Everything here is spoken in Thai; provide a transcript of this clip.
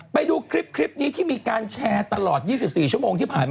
ไปดูคลิปนี้ที่มีการแชร์ตลอด๒๔ชั่วโมงที่ผ่านมา